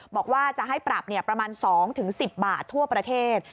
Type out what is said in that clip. บอกว่าจะให้ปรับประมาณ๒๑๐บาททั่วประเทศ